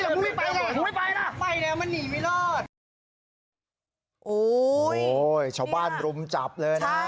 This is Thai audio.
โอ้โหเช้าบ้านรุมจับเลยนะ